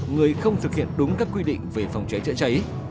người không thực hiện đúng các quy định về phòng cháy chữa cháy